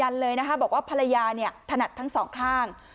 เลยนะคะบอกว่าภรรยาเนี่ยถนัดทั้งสองข้าง